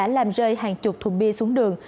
làm rơi hàng chục thùng bia xuống đường